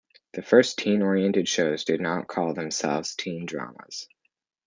The first teen-oriented shows did not call themselves teen dramas.